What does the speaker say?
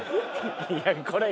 いやこれ。